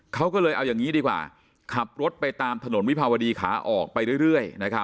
เขาก็เลยเอาอย่างนี้ดีกว่าขับรถไปตามถนนวิภาวดีขาออกไปเรื่อย